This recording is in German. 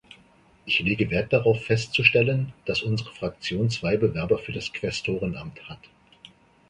Ich lege Wert darauf festzustellen, dass unsere Fraktion zwei Bewerber für das Quästorenamt hat.